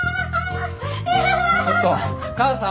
ちょっと母さん。